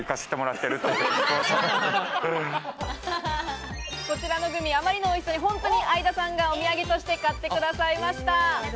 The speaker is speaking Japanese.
っこちらのグミ、あまりの美味しさに本当に相田さんがお土産として買ってくださいました。